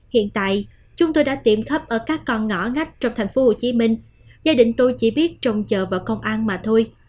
hiện tại chúng tôi đã tiệm khắp ở các con ngõ ngách trong tp hcm gia đình tôi chỉ biết trồng chợ vào công an mà thôi